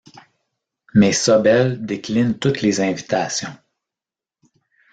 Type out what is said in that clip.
Mais Sobel décline toutes les invitations.